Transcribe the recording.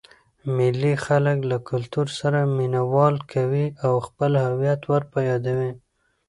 مېلې خلک له کلتور سره مینه وال کوي او خپل هويت ور په يادوي.